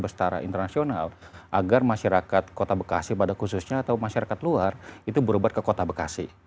secara internasional agar masyarakat kota bekasi pada khususnya atau masyarakat luar itu berobat ke kota bekasi